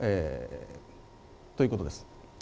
ということです。